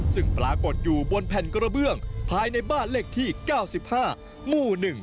ซึ่งปรากฏอยู่บนแผ่นกระเบื้องภายในบ้านเลขที่๙๕หมู่๑